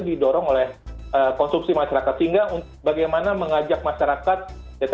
didorong oleh konsumsi masyarakat sehingga bagaimana mengajak masyarakat